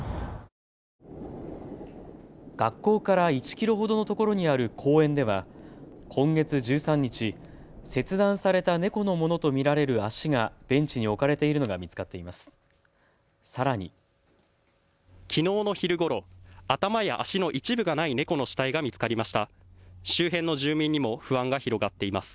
学校から１キロほどのところにある公園では今月１３日、切断された猫のものと見られる足がベンチに置かれているのが見つかっています。